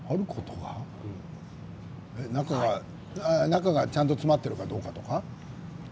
中がちゃんと詰まっているかどうか？